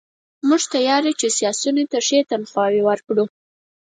موږ تیار یو چې سیاسیونو ته ښې تنخواوې ورکړو.